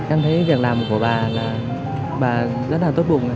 em thấy việc làm của bà là bà rất là tốt vùng